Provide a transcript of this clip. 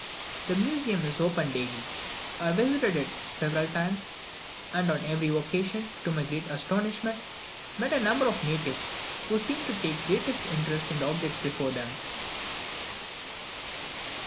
The museum is open daily. I visited it several times, and, on every occasion, to my great astonishment, met a number of natives, who seemed to take the greatest interest in the objects before them.